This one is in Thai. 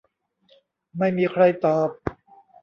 ไม่มีใครตอบ